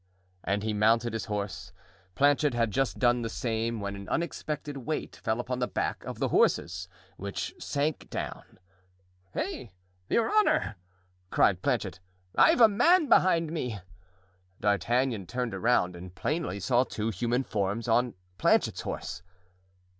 And he mounted his horse. Planchet had just done the same when an unexpected weight fell upon the back of the horse, which sank down. "Hey! your honor!" cried Planchet, "I've a man behind me." D'Artagnan turned around and plainly saw two human forms on Planchet's horse.